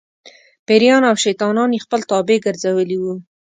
پېریان او شیطانان یې خپل تابع ګرځولي وو.